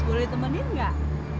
boleh temenin nggak